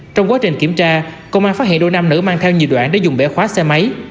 trong quá trình kiểm tra công an phát hiện đôi nam nữ mang theo nhiều đoạn để dùng bẻ khóa xe máy